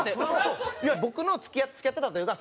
僕の付き合ってたというか。